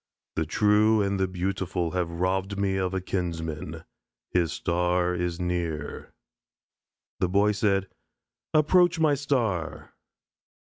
The true and the beautiful have robbed me of a kinsman. His star is near." Said the Boy: "I approach my star."